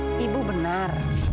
aduh ibu benar